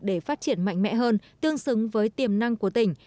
để phát triển mạnh mẽ hơn tương xứng với tiềm năng của tỉnh